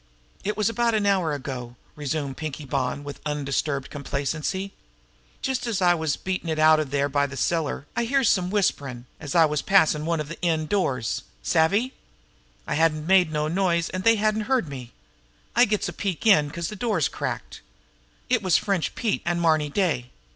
"It was about an hour ago," resumed Pinkie Bonn with undisturbed complacency. "Just as I was beatin' it out of there by the cellar, I hears some whisperin' as I was passin' one of the end doors. Savvy? I hadn't made no noise, an' they hadn't heard me. I gets a peek in, 'cause the door's cracked. It was French Pete an' Marny Day.